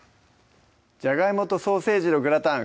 「じゃがいもとソーセージのグラタン」